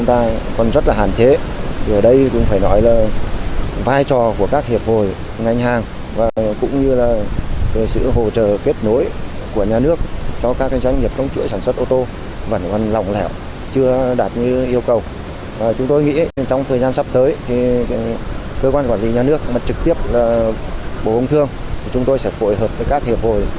trực tiếp bổ hông thương chúng tôi sẽ phụ hợp với các hiệp hội